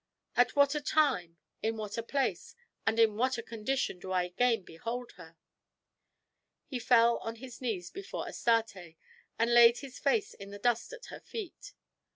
at what a time, in what a place, and in what a condition do I again behold her!" He fell on his knees before Astarte and laid his face in the dust at her feet.